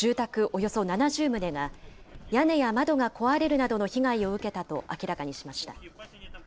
およそ７０棟が、屋根や窓が壊れるなどの被害を受けたと明らかにしました。